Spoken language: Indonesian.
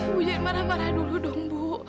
bu jangan marah marah dulu dong bu